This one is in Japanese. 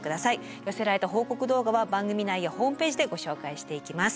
寄せられた報告動画は番組内やホームページでご紹介していきます。